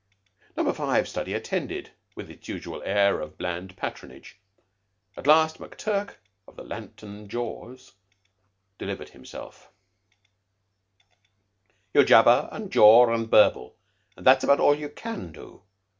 Number Five study attended, with its usual air of bland patronage. At last McTurk, of the lanthorn jaws, delivered himself: "You jabber and jaw and burble, and that's about all you can do.